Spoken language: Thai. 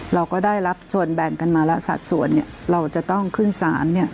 เราก็ได้รับส่วนแบ่งกันมาละสัดส่วนเนี่ยเราจะต้องขึ้นสารเนี่ย